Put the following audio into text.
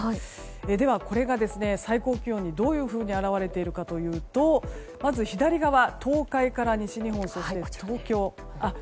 では、これが最高気温にどういうふうに表れているかというとまず東海から西日本そして東京。